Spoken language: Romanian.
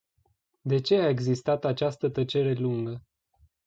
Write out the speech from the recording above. De ce a existat această tăcere lungă?